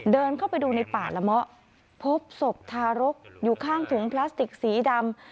เดินเข้าไปดูในป่าละเมาะพบศพทารกอยู่ข้างถุงพลาสติกสีดำ